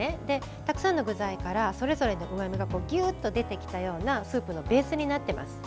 たくさんの具材からそれぞれのうまみがぎゅーっと出てきたようなスープのベースになってます。